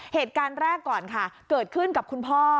เหตุการณ์แรกก่อนค่ะเกิดขึ้นกับคุณพ่อ